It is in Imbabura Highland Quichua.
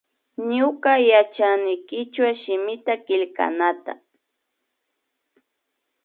Ñuka yachani kichwa shimita killknata